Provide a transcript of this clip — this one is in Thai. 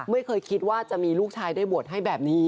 ไม่เคยคิดว่าจะมีลูกชายได้บวชให้แบบนี้